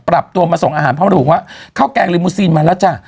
ปรับตัวมาส่งอาหารพร้อมระบุว่าข้าวแกงลิมูซีนมาแล้วจ้ะ